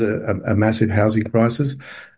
ada krisis pemotoran yang besar